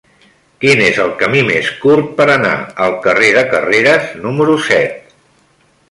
Quin és el camí més curt per anar al carrer de Carreras número set?